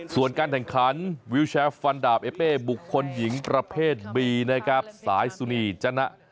ส่วนการแข่งขันวิวแชร์ฟันดาบเอเป้บุคคลหญิงประเภทบีนะครับสายสุนีจนะ